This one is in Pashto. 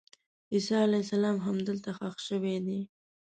عیسی علیه السلام همدلته ښخ شوی دی.